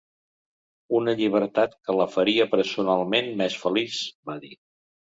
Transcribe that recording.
Una llibertat que la faria personalment més feliç, va dir.